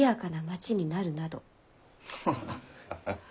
ハハハハ。